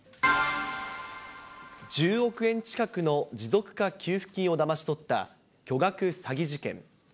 １０億円近くの持続化給付金をだまし取った巨額詐欺事件。